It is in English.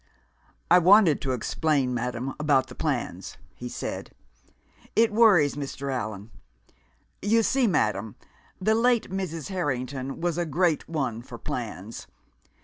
"I wanted to explain, madam, about the plans," he said. "It worries Mr. Allan. You see, madam, the late Mrs. Harrington was a great one for plans.